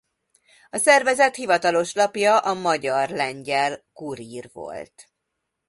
A szervezet hivatalos lapja a Magyar–Lengyel Kurír volt.